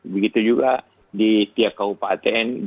begitu juga di tiap kabupaten